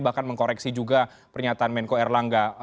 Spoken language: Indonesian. bahkan mengkoreksi juga pernyataan menko erlangga